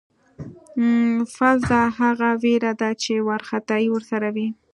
فذع هغه وېره ده چې وارخطایی ورسره وي.